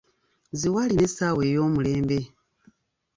Ziwa alina essaawa ey'omulembe.